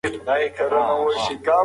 که مسواک وکاروې نو مال به دې ډېر شي.